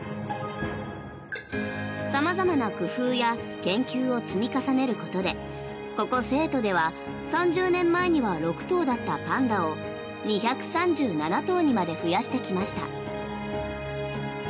様々な工夫や研究を積み重ねることでここ成都では３０年前には６頭だったパンダを２３７頭にまで増やしてきました。